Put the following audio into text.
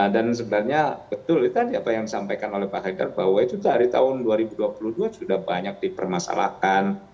dan sebenarnya betul itu kan yang disampaikan oleh pak haidar bahwa itu dari tahun dua ribu dua puluh dua sudah banyak dipermasalahkan